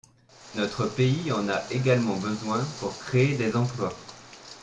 Notre pays en a également besoin pour créer des emplois.